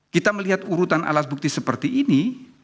kita melihat urutan alat bukti seperti ini